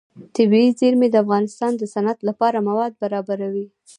طبیعي زیرمې د افغانستان د صنعت لپاره مواد برابروي.